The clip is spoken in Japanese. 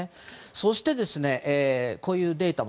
そして、こういうデータも。